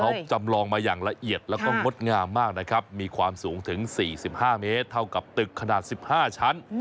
เขาจำลองมาอย่างละเอียดแล้วก็งดงามมากนะครับมีความสูงถึง๔๕เมตรเท่ากับตึกขนาด๑๕ชั้น